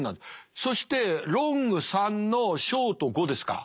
そしてロング３のショート５ですか。